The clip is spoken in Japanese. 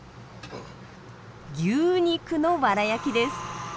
牛肉のワラ焼きです。